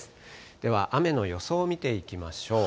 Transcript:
では、雨の予想を見ていきましょう。